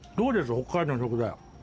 北海道の食材。